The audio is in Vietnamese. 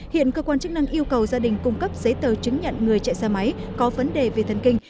hiện cơ quan chức năng yêu cầu gia đình cung cấp giấy tờ chứng nhận người chạy xe máy có vấn đề về thân kinh